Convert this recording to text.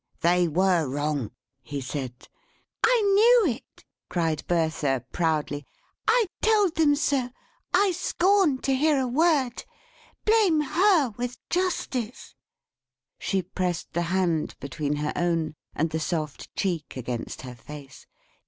"They were wrong," he said. "I knew it!" cried Bertha, proudly. "I told them so. I scorned to hear a word! Blame her with justice!" she pressed the hand between her own, and the soft cheek against her face.